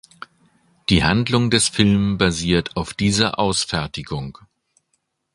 Die Handlung des Film basiert auf dieser Ausfertigung.